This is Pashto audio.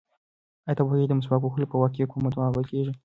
ایا ته پوهېږې چې د مسواک وهلو په وخت کې کومه دعا ویل کېږي؟